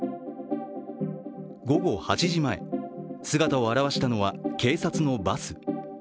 午後８時前、姿を現したのは警察のバス。